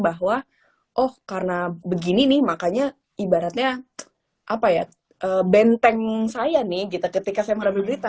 bahwa oh karena begini nih makanya ibaratnya apa ya benteng saya nih gitu ketika saya mengambil berita